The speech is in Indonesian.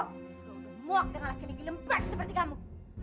aku udah muak dengan laki laki lembat seperti kamu